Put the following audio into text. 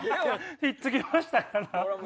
ひっつきましたから。